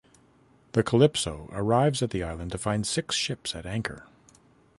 The "Calypso" arrives at the island to find six ships at anchor.